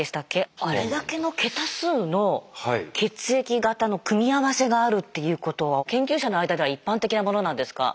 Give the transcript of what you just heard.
あれだけの桁数の血液型の組み合わせがあるっていうことは研究者の間では一般的なものなんですか？